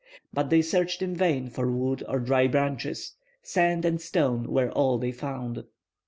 But they searched in vain for wood or dry branches. Sand and stones were all they found.